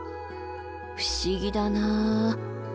不思議だなあ。